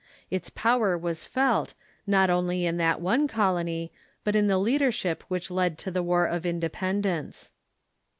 Its power was felt, not only in that one colony, but in the leadership which led to the War of Independence.